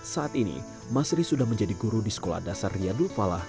saat ini masri sudah menjadi guru di sekolah dasar riyadul falah